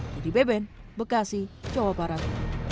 jadi beben bekasi jawa barat